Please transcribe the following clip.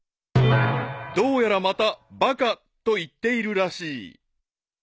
［どうやらまた「バカ」と言っているらしい］